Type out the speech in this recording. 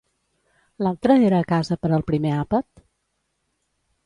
L'altre era a casa per al primer àpat?